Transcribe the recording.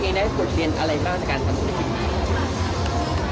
ปูได้ได้บทเรียนอะไรบ้างจากการทำธุรกิจ